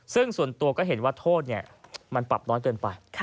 ซึ่งส่วนตัวก็เห็นว่าโทษมันปรับน้อยเกินไป